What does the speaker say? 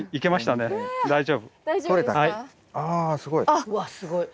あすごい。